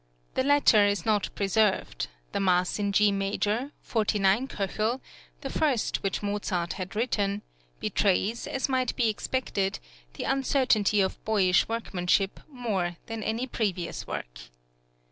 The latter is not preserved; the Mass in G major (49 K.), the first which Mozart had written, betrays, as might be expected, the uncertainty of boyish workmanship more than any previous work.